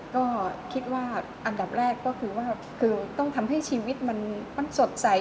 ก็คิดว่าอันดับแรกก็คือว่าคือต้องทำให้ชีวิตมันสดใส